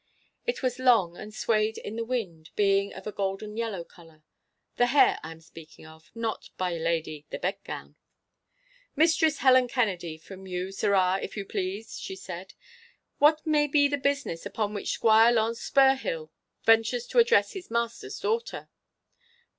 It was long and swayed in the wind, being of a golden yellow colour. (The hair, I am speaking of, not, by'r Lady, the bedgown.) 'Mistress Helen Kennedy from you, sirrah, if you please!' she said. 'What may be the business upon which Squire Launce Spurheel ventures to address his master's daughter?